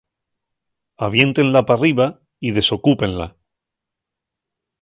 Aviéntenla p'arriba y desocúpenla.